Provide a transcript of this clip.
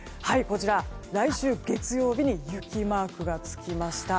来週月曜日に雪マークがつきました。